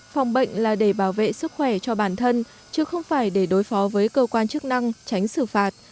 phòng bệnh là để bảo vệ sức khỏe cho bản thân chứ không phải để đối phó với cơ quan chức năng tránh xử phạt